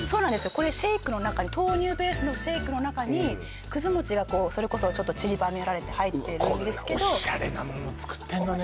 これシェイクの中に豆乳ベースのシェイクの中にくず餅がそれこそちりばめられて入ってるんですけどこんなオシャレなもの作ってんのね